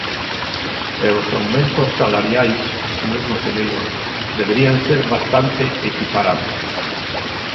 E os aumentos salariais, señor conselleiro, deberían ser bastante equiparables.